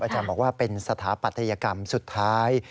อาจารย์บอกว่าเป็นสถาปัตยกรรมสุดท้าย